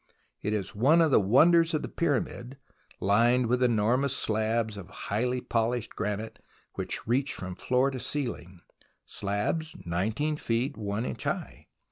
It is one of the wonders of the Pyramid, lined with enormous slabs of highly polished granite which reach from floor to ceiling, slabs 19 feet i inch high.